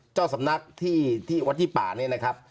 เจ้าสำนักที่วัดที่ป่านี่นะครับ